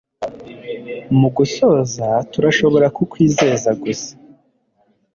Mugusoza turashobora kukwizeza gusa